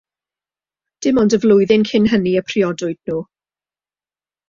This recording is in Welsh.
Dim ond y flwyddyn cyn hynny y priodwyd nhw.